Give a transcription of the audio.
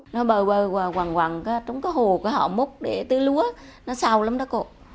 nó bờ bờ hoàng hoàng trong cái hồ của họ múc để tư lúa nó xào lắm đó cậu